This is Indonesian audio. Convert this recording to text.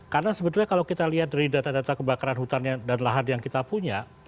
karena sebetulnya kalau kita lihat dari data data kebakaran hutan dan lahan yang kita punya